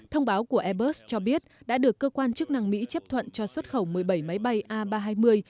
thông báo của airbus cho biết đã được cơ quan chức năng mỹ chấp thuận cho xuất khẩu một mươi bảy máy bay a ba trăm hai mươi